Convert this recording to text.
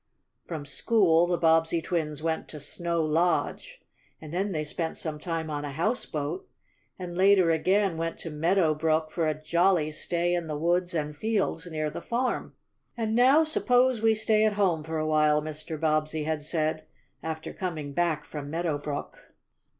From school the Bobbsey twins went to Snow Lodge, and then they spent some time on a houseboat and later again went to Meadow Brook for a jolly stay in the woods and fields near the farm. "And now suppose we stay at home for a while," Mr. Bobbsey had said, after coming back from Meadow Brook.